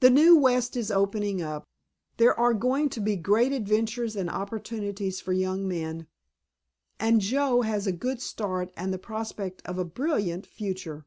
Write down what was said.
The new West is opening up, there are going to be great adventures and opportunities for young men, and Joe has a good start and the prospect of a brilliant future."